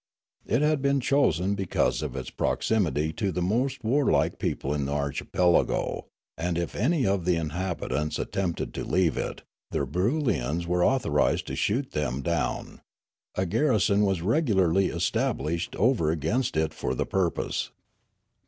It had been chosen because of its proximity to the most warlike people in the archipelago ; and, if anj of the inhabit ants attempted to leave it, the Broolyians were author ised to shoot them down. A garrison was regularly established over against it for the purpose.